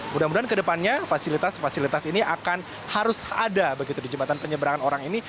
mudah mudahan kedepannya fasilitas fasilitas ini akan harus ada begitu di jembatan penyeberangan orang ini